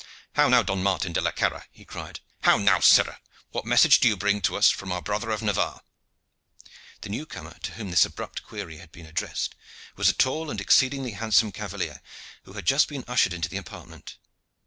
"How now, Don Martin de la Carra?" he cried. "How now, sirrah? What message do you bring to us from our brother of Navarre?" The new comer to whom this abrupt query had been addressed was a tall and exceedingly handsome cavalier who had just been ushered into the apartment.